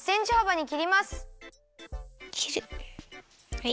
はい。